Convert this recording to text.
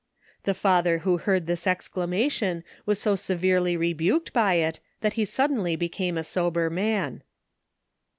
The father, who heard this exclamation, was so severely rebuked by it, that he sud denly became a sober man.